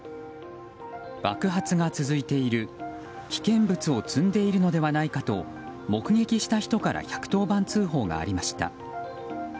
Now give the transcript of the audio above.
爆発が続いている、危険物を積んでいるのではないかと目撃した人から１１０番通報がありました。